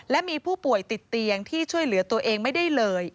และมีผู้ป่วยติดเตียงที่ช่วยเหลือตัวเองไม่ได้เลย